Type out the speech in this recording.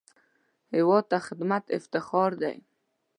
هېواد ته خدمت افتخار دی